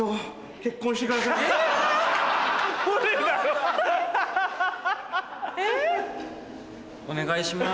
判定お願いします。